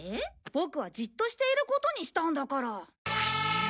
ボクはじっとしていることにしたんだから。